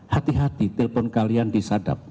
hati hati telpon kalian disadap